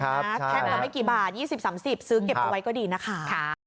แท่งละไม่กี่บาท๒๐๓๐ซื้อเก็บเอาไว้ก็ดีนะคะ